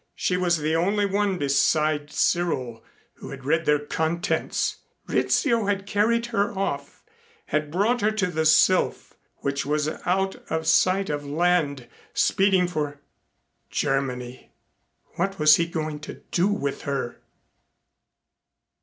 She was the only one beside Cyril who had read their contents! Rizzio had carried her off, had brought her to the Sylph, which was out of sight of land, speeding for Germany! What was he going to do with her?